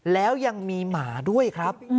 แล้วยังมีหมาด้วยครับ